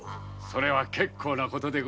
それは結構なことで。